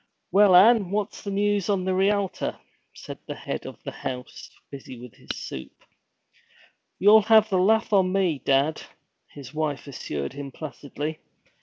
'Well, an' what's the news on the Rialter?' said the head of the house, busy with his soup. 'You'll have the laugh on me, dad,' his wife assured him placidly.